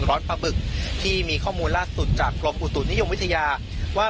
ปลาบึกที่มีข้อมูลล่าสุดจากกรมอุตุนิยมวิทยาว่า